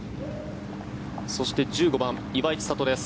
そして１５番、岩井千怜です。